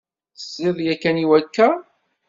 Tesliḍ yakan i wakka?